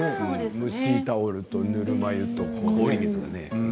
蒸しタオルとぬるま湯と氷水。